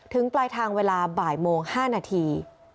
ปลายทางเวลาบ่ายโมง๕นาที